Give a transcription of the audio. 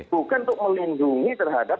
bukan untuk melindungi terhadap